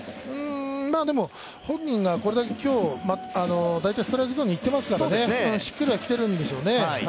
でも、本人がこれだけ今日大体ストライクゾーンにきてますからしっくりはきているんでしょうね。